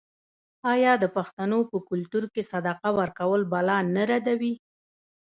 آیا د پښتنو په کلتور کې صدقه ورکول بلا نه ردوي؟